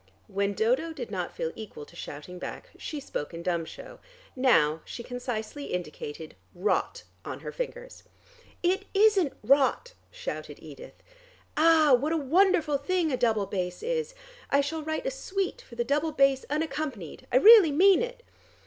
When Dodo did not feel equal to shouting back, she spoke in dumb show. Now she concisely indicated "Rot" on her fingers. "It isn't Rot," shouted Edith; "ah, what a wonderful thing a double bass is: I shall write a Suite for the double bass unaccompanied I really mean it.